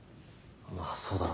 まあそうだろうな。